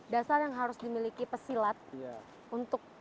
dasar yang harus dimiliki pesilat untuk